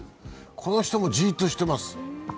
この人もじーっとしてます。